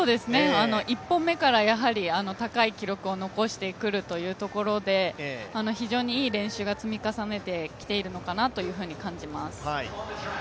１本目から高い記録を残してくるというところで非常にいい練習が積み重ねてきているのかなというふうに感じます。